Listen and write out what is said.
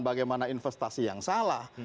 bagaimana investasi yang salah